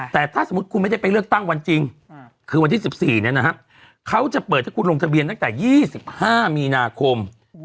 แต่ถ้าสมมุติคุณไม่ได้ไปเลือกตั้งวันจริงคือวันที่๑๔เขาจะเปิดให้คุณลงทะเบียนตั้งแต่๒๕มีนาคม